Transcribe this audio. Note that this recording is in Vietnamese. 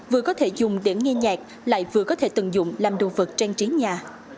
vừa có thể dùng để nghe nhạc lại vừa có thể tận dụng làm đồ vật trang trí nhà